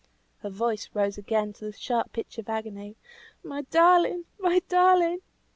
Her voice rose again to the sharp pitch of agony. "My darling! my darling!